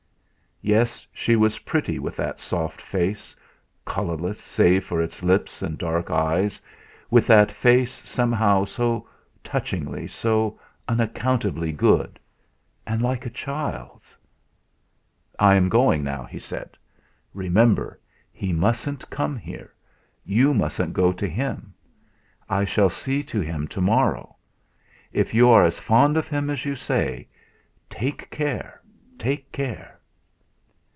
Yes, she was pretty with that soft face, colourless save for its lips and dark eyes, with that face somehow so touchingly, so unaccountably good, and like a child's. "I am going now," he said. "Remember! He mustn't come here; you mustn't go to him. I shall see him to morrow. If you are as fond of him as you say take care, take care!"